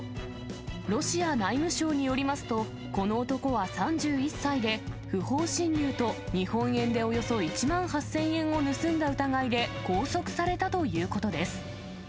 ロシア内務省によりますと、この男は３１歳で、不法侵入と日本円でおよそ１万８０００円を盗んだ疑いで拘束されたということです。